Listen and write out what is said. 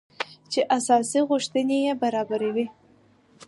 چې اساسي غوښتنې يې برابري وه .